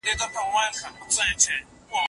که ته ډېره املا ولیکې نو لاس دې نه ستړی کېږي.